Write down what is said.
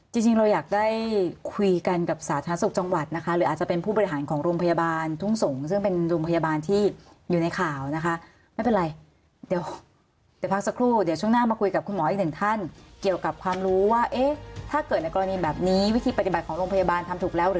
จริงเราอยากได้คุยกันกับสาธารณสุขจังหวัดนะคะหรืออาจจะเป็นผู้บริหารของโรงพยาบาลทุ่งสงศ์ซึ่งเป็นโรงพยาบาลที่อยู่ในข่าวนะคะไม่เป็นไรเดี๋ยวเดี๋ยวพักสักครู่เดี๋ยวช่วงหน้ามาคุยกับคุณหมออีกหนึ่งท่านเกี่ยวกับความรู้ว่าเอ๊ะถ้าเกิดในกรณีแบบนี้วิธีปฏิบัติของโรงพยาบาลทำถูกแล้วหรือ